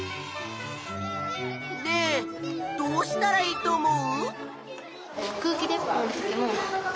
ねえどうしたらいいと思う？